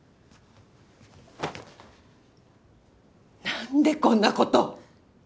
なんでこんなこと！